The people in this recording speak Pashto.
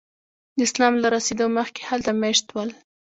د اسلام له رسېدو مخکې هلته میشته ول.